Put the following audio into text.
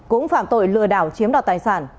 cũng phạm tội lừa đảo chiếm đoạt tài sản